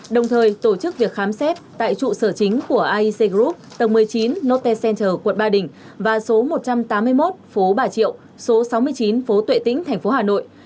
đồng thời tổ chức việc khám xét tại trụ sở chính của aic group tầng một mươi chín note center quận ba đình và số một trăm tám mươi một phố bà triệu số sáu mươi chín phố tuệ tĩnh thành phố hà nội